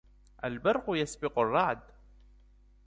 البرقُ يسبقُ الرعدَ